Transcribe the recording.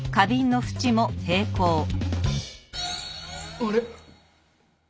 あれ？